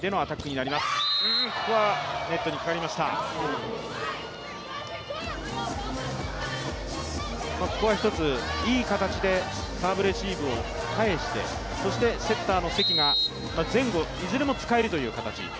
ここは一つ、いい形でサーブレシーブを返して、そしてセッターの関が前後、いずれも使えるという形。